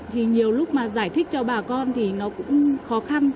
thì nhiều lúc mà giải thích cho bà con thì nó cũng khó khăn